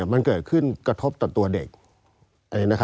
มันเกิดขึ้นกระทบต่อตัวเด็ก